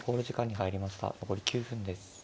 残り９分です。